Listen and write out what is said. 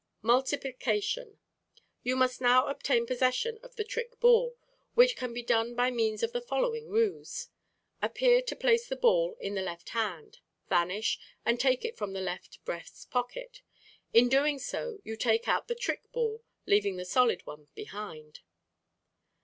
Multiplication.—You must now obtain possession of the trick ball, which can be done by means of the following ruse: Appear to place the ball in the left hand, vanish, and take it from the left breast pocket. In doing so you take out the trick ball, leaving the solid one behind.